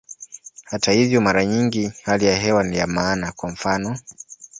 Hata hivyo, mara nyingi hali ya hewa ni ya maana, kwa mfano.